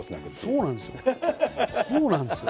そうなんですよ。